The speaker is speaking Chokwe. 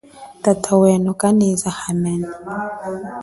Tata weno kaneza hamene.